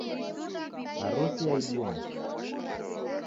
Harusi yaidie nicha